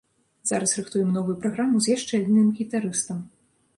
Зараз рыхтуем новую праграму з яшчэ адным гітарыстам.